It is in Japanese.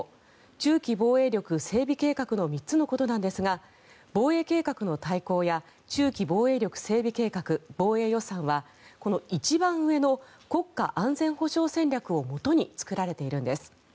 中期防衛力整備計画の３つなんですが防衛計画の大綱や中期防衛力整備計画、防衛予算はこの一番上の国家安全保障戦略をもとに作られているんです。